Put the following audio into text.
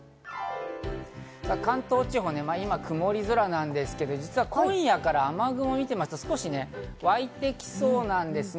関東地方、今曇り空なんですけど実は今夜から雨雲を見てみますと、少し沸いてきそうなんですね。